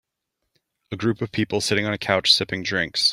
A group of people sitting on a couch sipping drinks.